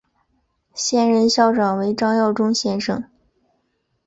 现任校长为张耀忠先生。